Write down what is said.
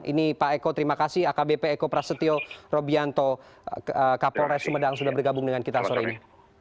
ini pak eko terima kasih akbp eko prasetyo robianto kapolres sumedang sudah bergabung dengan kita sore ini